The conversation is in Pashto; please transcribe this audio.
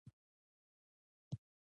په پښتو کښي نظم تر نثر وړاندي تاریخ لري.